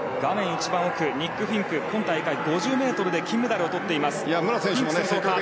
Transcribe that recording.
一番奥のニック・フィンク今大会５０ｍで金メダルをとっています。